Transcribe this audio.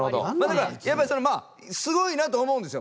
だからやっぱりそのすごいなと思うんですよ。